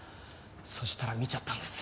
そしたら見ちゃったんです。